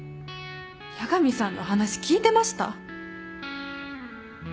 八神さんの話聞いてました？